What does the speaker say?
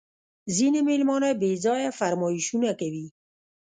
ځیني مېلمانه بېځایه فرمایشونه کوي